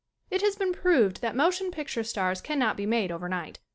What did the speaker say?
It has been proved that motion picture stars cannot be made over night.